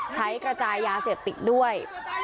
ใช้กระจายยาเสพติดด้วย